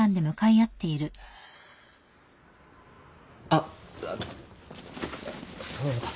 あっそうだ。